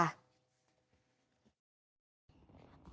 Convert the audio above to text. หนูอยู่กับใคร